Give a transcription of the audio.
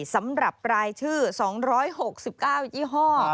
สำหรับรายชื่อ๒๖๙ยี่ห้อ